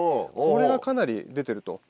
これがかなり出てると。